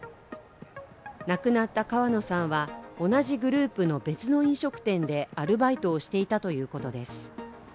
亡くなった川野さんは同じグループの別の飲食店でアルバイトをしていたということです。